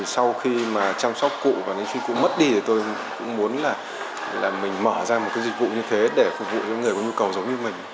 sau khi chăm sóc cụ và khi cụ mất đi tôi cũng muốn mở ra một dịch vụ như thế để phục vụ những người có nhu cầu giống như mình